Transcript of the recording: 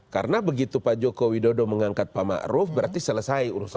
karena begitu pak joko widodo mengangkat pak ma'ruf berarti selesai urusan